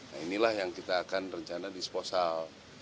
nah inilah yang kita akan rencana disposal